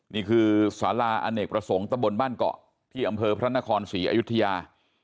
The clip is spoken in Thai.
นี่คือสาราอเนกประสงค์ตะบนบ้านเกาะที่อำเภอพระนครศรีอยุธยา